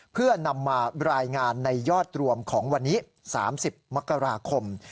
เพื่อนำมารายงานในยอดรวมของวันนี้๓๐มกราคม